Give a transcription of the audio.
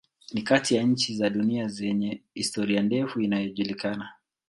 Ni kati ya nchi za dunia zenye historia ndefu inayojulikana.